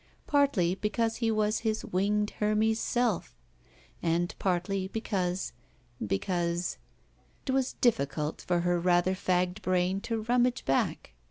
Partly because he was his winged Hermes self, and partly because — ^because — ^it was difficult for her rather fagged brain to rummage back.